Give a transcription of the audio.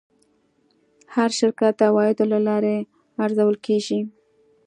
هر شرکت د عوایدو له لارې ارزول کېږي.